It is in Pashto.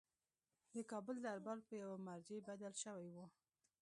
د کابل دربار په یوه مرجع بدل شوی وو.